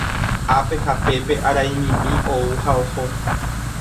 Ápe ha pépe araimimi ou ha oho.